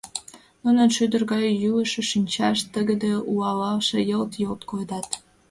Нунын шӱдыр гай йӱлышӧ шинчашт тыгыде уалаште йылт-йолт коедат.